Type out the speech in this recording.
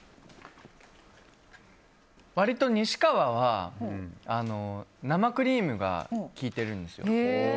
割と、に志かわは生クリームが効いてるんですよ。